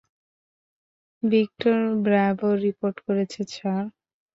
Victor Bravo report করছে, sir!